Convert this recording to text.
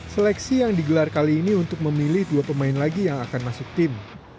seleksi yang digelar kali ini untuk memilih dua pemain lagi yang akan masuk tim